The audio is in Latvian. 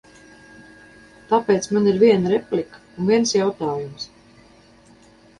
Tāpēc man ir viena replika un viens jautājums.